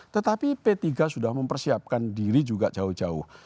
tetapi p tiga sudah mempersiapkan diri juga jauh jauh